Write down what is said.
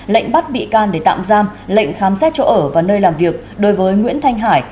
lệnh bắt bị can để tạm giam lệnh khám xét chỗ ở và nơi làm việc đối với nguyễn thanh hải